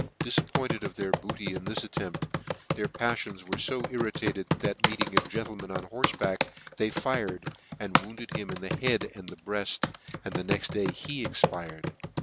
Difappoimed of their bodty in this attempt, their paflions were fo irri tated, that, meeting a gentleman on horfeback, they fired, and wounded him in the head and breaft, and the next day he expired.